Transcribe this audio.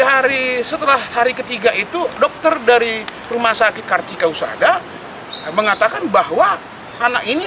hari setelah hari ketiga itu dokter dari rumah sakit kartika usada mengatakan bahwa anak ini